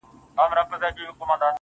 o شپه چي تياره سي ،رڼا خوره سي.